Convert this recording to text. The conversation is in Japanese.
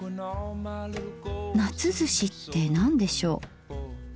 夏ずしって何でしょ？